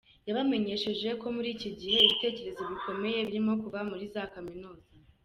Yabamenyesheje ko muri iki gihe ibitekerezo bikomeye birimo kuva muri za kaminuza.